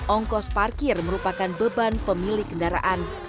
ongkos parkir merupakan beban pemilik kendaraan